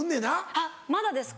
あっまだですか？